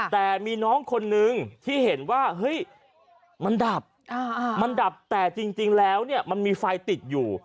แต่มีน้องคนนึงที่เห็นว่ามันดับแต่จริงแล้วมันมีไฟติดอยู่